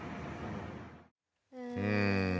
うん。